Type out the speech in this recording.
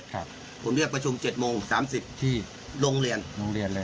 ครับผมเรียกประชุมเจ็ดโมงสามสิบที่โรงเรียนโรงเรียนเลย